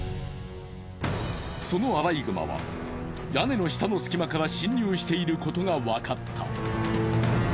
そのアライグマは屋根の下の隙間から侵入していることがわかった。